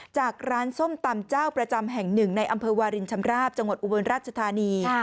จากร้านส้มตำเจ้าประจำแห่งหนึ่งในอำเภอวารินชำราบจังหวัดอุบลราชธานี